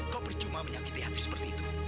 kau percuma menyakiti hati seperti itu